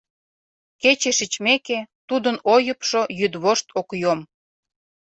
Кече шичмеке, тудын ойыпшо йӱдвошт ок йом.